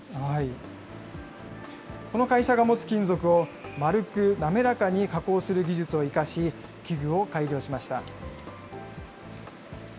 この会社が持つ金属を丸く滑らかに加工する技術を生かし、器具を改良しました。